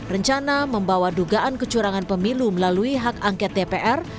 rencana membawa dugaan kecurangan pemilu melalui hak angket dpr